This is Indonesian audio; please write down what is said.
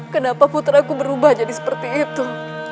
kenapa putraku berubah jadi seperti itu